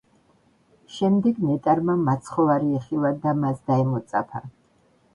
შემდეგ ნეტარმა მაცხოვარი იხილა და მას დაემოწაფა.